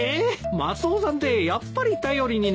マスオさんってやっぱり頼りになりませんね。